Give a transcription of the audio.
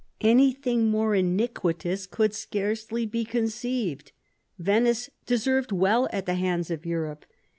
Anything more iniquitous could scarcely be conceived. Venice deserved well at the hands of Europe.